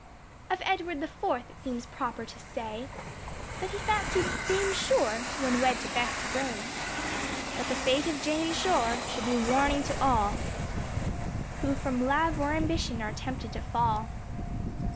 Of Edward the fourth it seems proper to say That he fancied Dame Shore, when wed to Bess Gray. But the fate of Jane Shore, should be warning to all Who from love, or ambition, are tempted to fall.